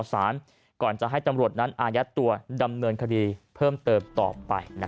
สารก่อนจะให้ตำรวจนั้นอายัดตัวดำเนินคดีเพิ่มเติมต่อไป